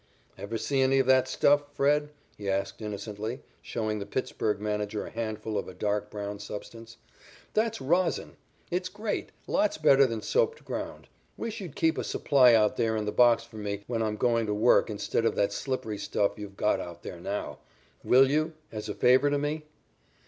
"Ever see any of that stuff, Fred?" he asked innocently, showing the Pittsburg manager a handful of a dark brown substance. "That's rosin. It's great lots better than soaped ground. Wish you'd keep a supply out there in the box for me when I'm going to work instead of that slippery stuff you've got out there now. Will you, as a favor to me?"